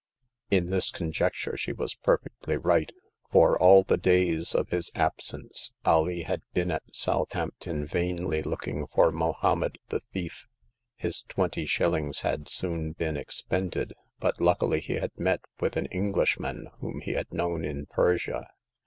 In this conjecture she was perfectly right, for all the days of his absence Alee had been at Southampton vainly looking for Mohommed the thief. His twenty shillings had soon been expanded ; but luckily he had met with an Englishman whom he had known in Persia.